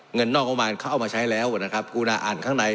เงินนอกประมาณเขาเอามาใช้แล้วนะครับกูณาอ่านข้างใน